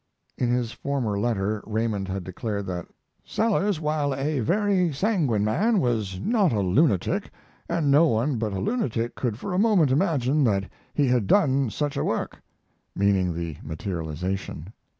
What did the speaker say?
In his former letter Raymond had declared that "Sellers, while a very sanguine man, was not a lunatic, and no one but a lunatic could for a moment imagine that he had done such a work" (meaning the materialization).